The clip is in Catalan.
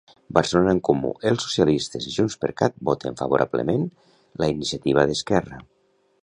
Barcelona en Comú, els socialistes i JxCat voten favorablement la iniciativa d'Esquerra.